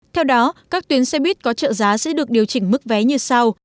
theo đó các tuyến xe buýt có trợ giá sẽ được điều chỉnh mức vé như sau